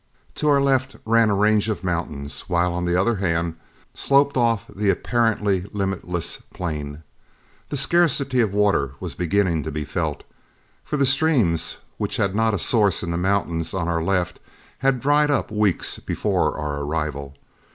To our left ran a range of mountains, while on the other hand sloped off the apparently limitless plain. The scarcity of water was beginning to be felt, for the streams which had not a source in the mountains on our left had dried up weeks before our arrival.